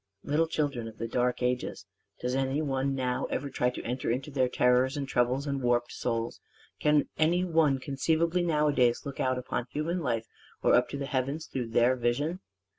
Little children of the Dark Ages! does any one now ever try to enter into their terrors and troubles and warped souls? Can any one conceivably nowadays look out upon human life or up to the heavens through their vision!